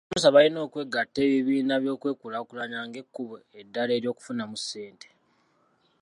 Abasomesa balina okwegatta ebibiina by'okwekulaakulanya ng'ekkubo eddala ery'okufunamu ssente.